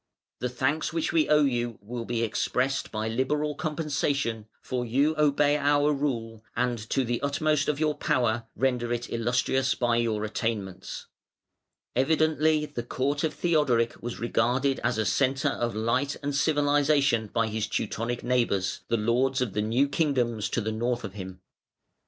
The thanks which we owe you will be expressed by liberal compensation, for you obey our rule, and to the utmost of your power render it illustrious by your attainments". [Footnote 96: Var., ii., 40.] [Footnote 97: Toni] [Footnote 98: "Voluptuosa digressio".] Evidently the court of Theodoric was regarded as a centre of light and civilisation by his Teutonic neighbours, the lords of the new kingdoms to the north of him.